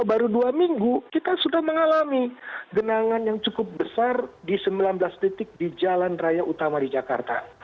baru dua minggu kita sudah mengalami genangan yang cukup besar di sembilan belas titik di jalan raya utama di jakarta